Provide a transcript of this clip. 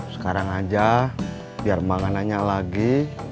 sekarang aja biar makanannya lagi